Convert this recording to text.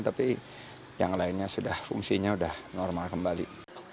tapi yang lainnya sudah fungsinya sudah normal kembali